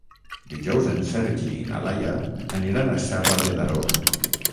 Dijous en Sergi i na Laia aniran a Serra de Daró.